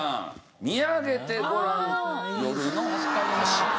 『見上げてごらん夜の星』。